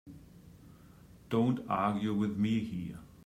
Don't argue with me here.